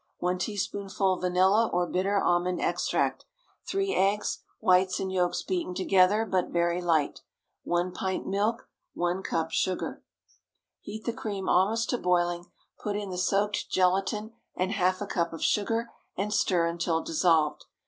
1 teaspoonful vanilla or bitter almond extract. 3 eggs, whites and yolks beaten together, but very light. 1 pint milk. 1 cup sugar. Heat the cream almost to boiling; put in the soaked gelatine and half a cup of sugar, and stir until dissolved.